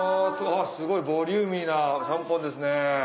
すごいボリューミーなちゃんぽんですね。